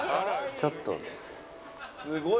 ちょっと。